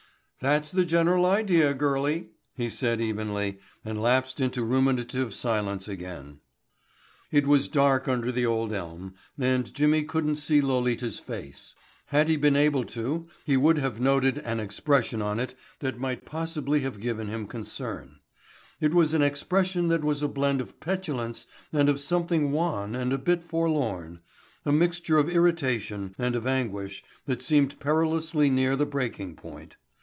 "That's the general idea, girlie," he said evenly and lapsed into ruminative silence again. It was dark under the old elm and Jimmy couldn't see Lolita's face. Had he been able to he would have noted an expression on it that might possibly have given him concern. It was an expression that was a blend of petulance and of something wan and a bit forlorn, a mixture of irritation and of anguish that seemed perilously near the breaking point.